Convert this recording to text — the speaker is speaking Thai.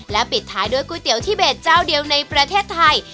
ปิดท้ายด้วยก๋วยเตี๋ยวที่เด็ดเจ้าเดียวในประเทศไทย